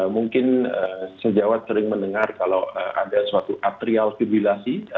mungkin sejauh sering mendengar kalau ada suatu atrial fibrilasi